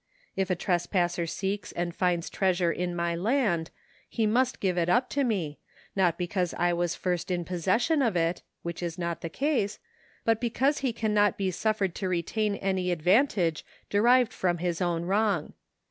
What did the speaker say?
If a tresi^asser seeks and finds treasure in my land, he must give it up to me, not because 1 was first in possession of it (which is not the case), but because ho cannot be suffered to retain any advantage derived from his own wrong.